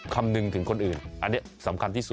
คำนึงถึงคนอื่นอันนี้สำคัญที่สุด